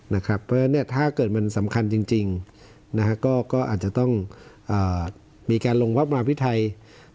เพราะฉะนั้นถ้าเกิดมันสำคัญจริงก็อาจจะต้องมีการลงภาพประมาณวิทยาศาสตร์ไทย